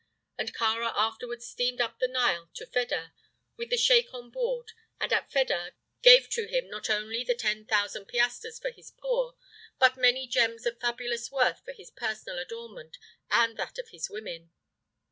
And Kāra afterward steamed up the Nile to Fedah, with the sheik on board, and at Fedah gave to him not only the ten thousand piastres for his poor, but many gems of fabulous worth for his personal adornment and that of his women.